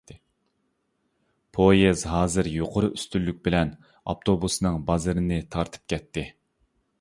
پويىز ھازىر يۇقىرى ئۈستۈنلۈك بىلەن ئاپتوبۇسنىڭ بازىرىنى تارتىپ كەتتى.